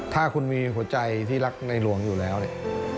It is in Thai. ถ้าคุณมีหัวใจที่รักในหลวงอยู่แล้วเนี่ย